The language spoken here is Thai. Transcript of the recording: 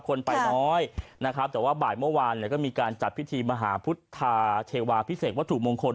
คนไปน้อยนะครับแต่ว่าบ่ายเมื่อวานเนี่ยก็มีการจัดพิธีมหาพุทธาเทวาพิเศษวัตถุมงคล